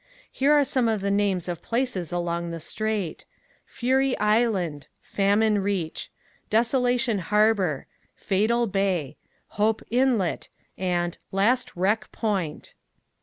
Here are some of the names of places along the Strait: "Fury Island," "Famine Reach," "Desolation Harbor," "Fatal Bay," "Hope Inlet," and "Last Wreck Point."